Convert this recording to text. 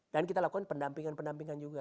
dan kita lakukan pendampingan pendampingan juga